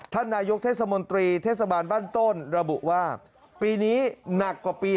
ท่านนายกเทศมนตรีเทศบาลบ้านต้นระบุว่าปีนี้หนักกว่าปี